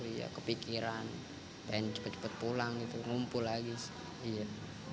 iya kepikiran pengen cepat cepat pulang gitu ngumpul lagi sedikit